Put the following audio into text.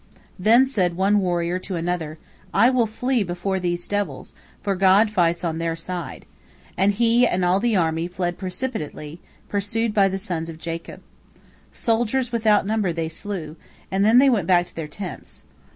Then said one warrior to another, "I will flee before these devils, for God fights on their side," and he and all the army fled precipitately, pursued by the sons of Jacob. Soldiers without number they slew, and then they went back to their tents.